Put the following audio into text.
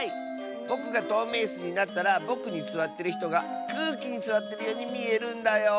ぼくがとうめいイスになったらぼくにすわってるひとがくうきにすわってるようにみえるんだよ！